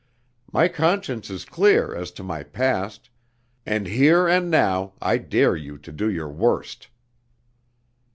My conscience is clear as to my past; and here and now I dare you to do your worst!"